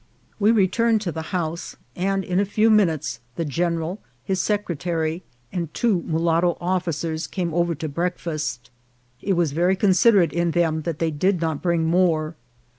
We returned to the house, and in a few minutes the general, his secretary, and two mulatto officers came over to breakfast. It was very considerate in them that they did not bring more.